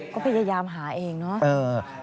ก็พยายามหาเองเนาะ